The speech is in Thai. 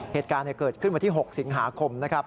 เหตุการณ์เกิดขึ้นวันที่๖สิงหาคมนะครับ